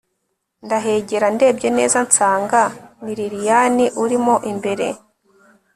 ndahegera ndebye neza nsanga ni lilian urimo imbere